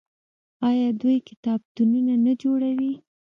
آیا دوی کتابتونونه نه جوړوي؟